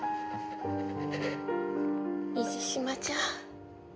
水嶋ちゃん。